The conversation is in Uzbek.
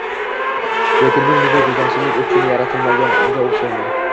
Lekin men bunday vijdonsizlik uchun yaratilmagan o’xshayman”.